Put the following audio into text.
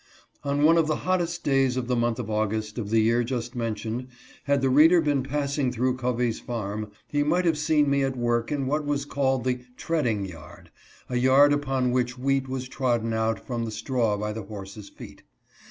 On one of the hottest days of the month of August of the year just mentioned, had the reader been passing through Covey's farm, he might have seen me at work in what was called the "treading yard" — a yard upon which wheat was trodden out from the straw by the horses' feet.